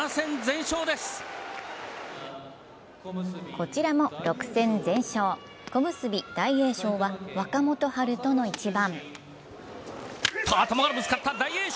こちらも６戦全勝、小結・大栄翔は若元春との一番。